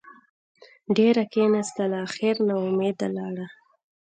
ډېره کېناستله اخېر نااوميده لاړه.